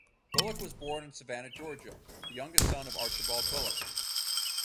Bulloch was born in Savannah, Georgia, the youngest son of Archibald Bulloch.